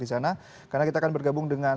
di sana karena kita akan bergabung dengan